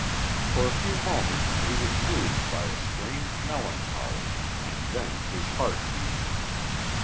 For a few moments he was moved by a strange melancholy, and then his heart beat.